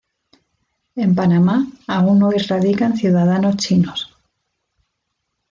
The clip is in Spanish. En Panamá aún hoy radican ciudadanos chinos.